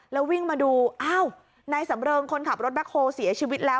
แล้ววิ่งมาดูอ้าวนายสำเริงคนขับรถแบ็คโฮลเสียชีวิตแล้ว